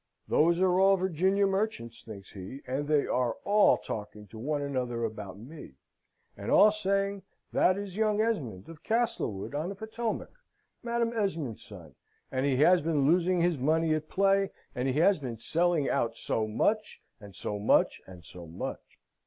Those are all Virginia merchants, thinks he, and they are all talking to one another about me, and all saying, "That is young Esmond, of Castlewood, on the Potomac, Madam Esmond's son; and he has been losing his money at play, and he has been selling out so much, and so much, and so much."